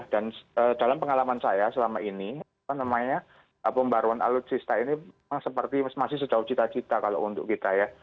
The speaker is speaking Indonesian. dan dalam pengalaman saya selama ini apa namanya pembaruan alutsista ini memang seperti masih sejauh cita cita kalau untuk kita ya